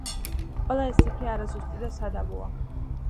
ყველა ეს ციფრი არაზუსტი და სადავოა.